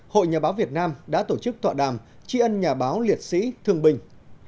hội nhà báo việt nam đã tổ chức tọa đàm tri ân nhà báo liệt sĩ thương binh